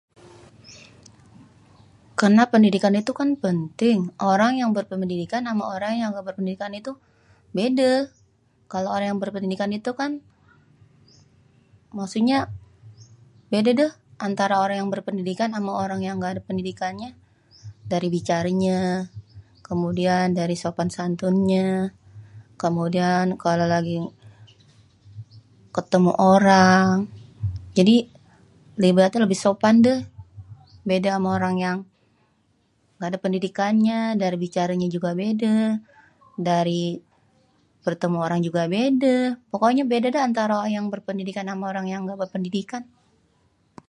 Karna pendidikan itu kan penting. Orang yang berpendidikan ama orang yang gak berpendidikan itu bedê. Kalo orang yang berpendidikan itu kan, maksudnya bèda dêh antara orang yang berpendidikan ama orang yang gak ada pendidikannya. Dari bicaranyê, kemudian dari sopan santunnyê, kemudian kalo lagi ketemu orang. Jadi ibaratnya lebih sopan dêh. Bèda ama orang yang gak ada pendidikannya dari bicaranya juga bedê, dari bertemu orang juga bèdê. Pokoknya bèda dêh antara orang yang berpendidikan ama orang yang gak berpendidikan.